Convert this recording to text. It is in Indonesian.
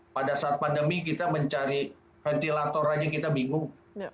pada saat pandemi kita mencari ventilator aja kita bingung